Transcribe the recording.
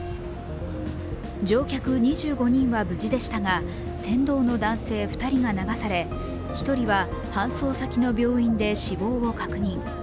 乗客２５人は無事でしたが、船頭の男性２人が流され、１人は搬送先の病院で死亡を確認。